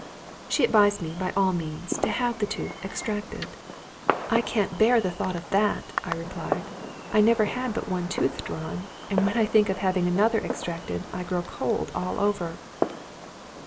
She advised me, by all means, to have the tooth extracted. "I can't bear the thought of that," I replied. "I never had but one tooth drawn, and when I think of having another extracted I grow cold all over."